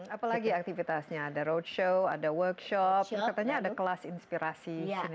apalagi aktivitasnya ada roadshow ada workshop katanya ada kelas inspirasi sini